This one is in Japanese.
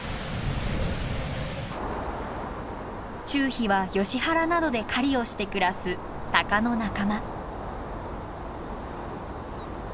チュウヒはヨシ原などで狩りをして暮らすタカの仲間。